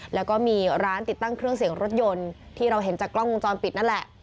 แล้วก็มีร้านติดตั้งเครื่องเสียงรถยนต์ที่เราเห็นจากกล้องวงจรปิดนั่นแหละ